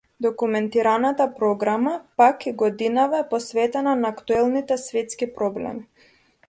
Документарната програма, пак, и годинава е посветена на актуелните светски проблеми.